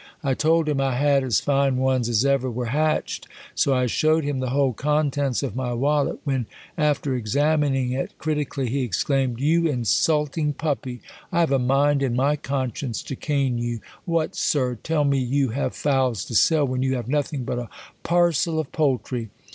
I told hira I had as fine ones as ever were hatched. So I shewed him the whole contents of my wallet ; when, after examining it critically, he exclaimed, *' You insulting puppy ! 1 have a mind in my conscience to cane you. What, sirrah ! tell me you have fowls to sell, when you have nothing but a parcel of poultry